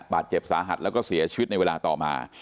บาดเจ็บสาหัสแล้วก็เสียชีวิตในเวลาต่อมา